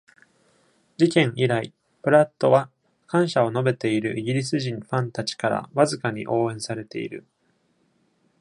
事件以来、プラットは感謝を述べているイギリス人ファンたちからわずかに応援されている。